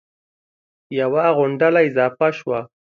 یوه غونډله اضافه شوه